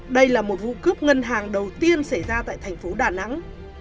đây là một vụ cướp ngân hàng đầu tiên xảy ra tại thành phố đà nẵng